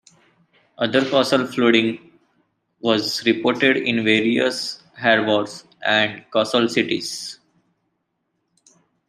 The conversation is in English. Other coastal flooding was reported in various harbors and coastal cities.